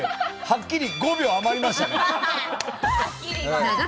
はっきり５秒余りましたね。